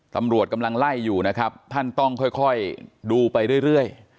ตำรวจกำลังไล่อยู่นะครับท่านต้องค่อยดูไปเรื่อย